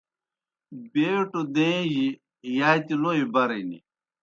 بیٹوْ دَیں جی یاتی لوْئی برِن